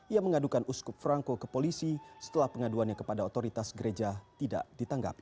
ia mengadukan uskup franco ke polisi setelah pengaduannya kepada otoritas gereja tidak ditanggapi